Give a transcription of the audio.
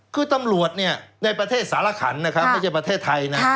คือตำรวจเนี่ยในประเทศสารขันนะครับไม่ใช่ประเทศไทยนะ